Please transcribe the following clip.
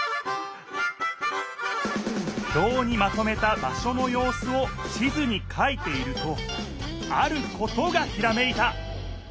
ひょうにまとめた場所のようすを地図にかいているとあることがひらめいた！